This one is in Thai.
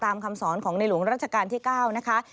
คำสอนของในหลวงรัชกาลที่๙นะคะ